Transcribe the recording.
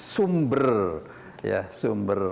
sumber ya sumber